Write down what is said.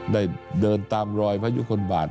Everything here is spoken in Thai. ได้เดินตามรอยพระยุคลบาท